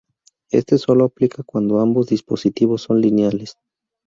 Este sólo aplica cuando ambos dispositivos son lineales.